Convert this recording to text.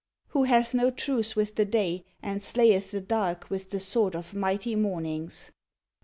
Who hath no truce with the day, and slayeth the dark with the sword of mighty mornings; 21.